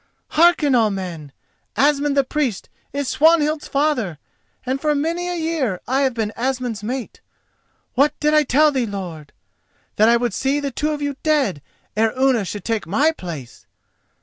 Hearken all men. Asmund the Priest is Swanhild's father, and for many a year I have been Asmund's mate. What did I tell thee, lord?—that I would see the two of you dead ere Unna should take my place!